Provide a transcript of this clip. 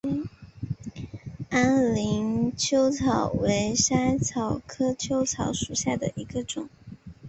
安宁薹草为莎草科薹草属下的一个种。